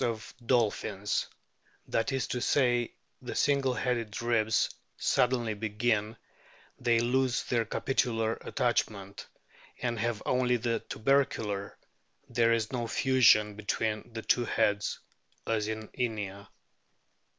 ANOMALOUS DOLPHINS 303 of dolphins, that is to say, the single headed ribs suddenly begin, they lose their capitular attachment, and have only the tubercular ; there is no fusion between the two heads, as in Inia.